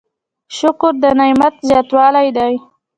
شکر د نعمت زیاتوالی دی؟